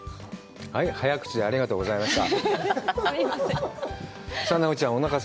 早口でありがとうございました。